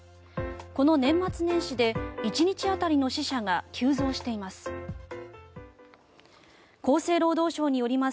この年末年始で１日当たりの死者が急増しています。